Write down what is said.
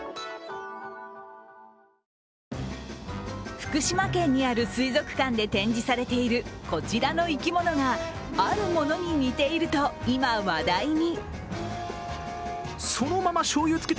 福島県にある水族館で展示されているこちらの生き物があるものに似ていてると、今、話題に。